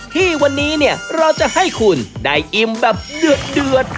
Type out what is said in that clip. ที่วันนี้เนี่ยเราจะให้คุณได้อิ่มแบบเดือด